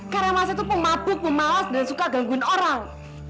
karena emasnya tuh pemabuk pemalas dan suka gangguin orang